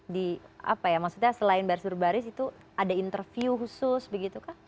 di apa ya maksudnya selain barsur baris itu ada interview khusus begitu kah